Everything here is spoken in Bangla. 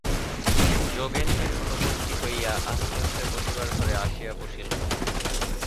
যোগেন্দ্রের অনুবর্তী হইয়া আস্তে আস্তে বসিবার ঘরে আসিয়া বসিল।